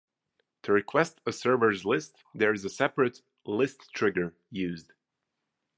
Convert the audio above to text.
To request a server's list, there is a separate 'list trigger' used.